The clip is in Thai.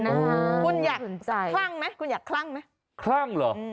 คุณอยากคลั่งไหมคุณอยากคลั่งไหมคลั่งเหรอ